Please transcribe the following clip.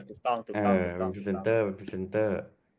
เป็นพรีเซนเตอร์